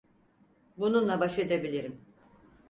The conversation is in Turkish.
Bununla baş edebilirim.